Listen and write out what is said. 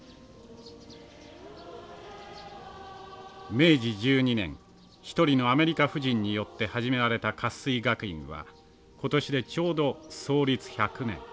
明治１２年一人のアメリカ婦人によって始められた活水学院は今年でちょうど創立１００年。